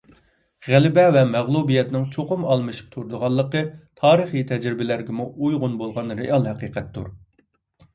غەلىبە ۋە مەغلۇبىيەتنىڭ چوقۇم ئالمىشىپ تۇرىدىغانلىقى تارىخىي تەجرىبىلەرگىمۇ ئۇيغۇن بولغان رېئال ھەقىقەتتۇر.